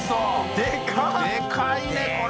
でかいねこれ！